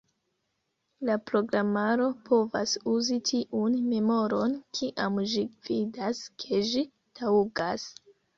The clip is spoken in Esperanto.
La programaro povas uzi tiun memoron kiam ĝi vidas, ke ĝi taŭgas.